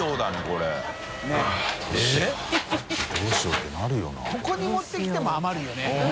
ここに持ってきても余るよね。